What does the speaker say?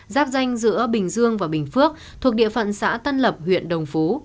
giáp danh giữa bình dương và bình phước thuộc địa phận xã tân lập huyện đồng phú